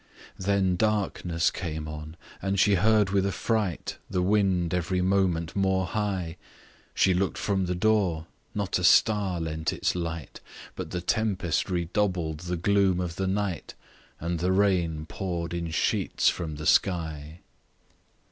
Then darkness came on; and she heard with affright The wind every moment more high; She look'd from the door; not a star lent its light, But the tempest redoubled the gloom of the night, And the rain pour'd in sheets from the sky.